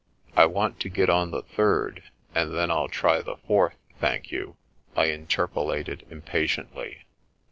" I want to get on the third, and then I'll try the fourth, thank you," I interpolated impatiently.